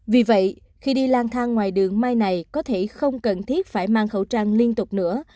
vì vậy khi đi lang thang ngoài đường mai này có thể không cần thiết phải mang khẩu trang liên tục nữa